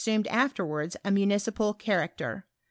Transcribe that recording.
I9T smued afterwards a municipal character.